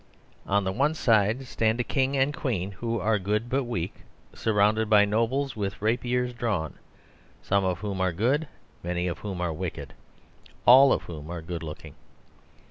On the one side stand a king and queen who are good but weak, surrounded by nobles with rapiers drawn; some of whom are good, many of whom are wicked, all of whom are good looking.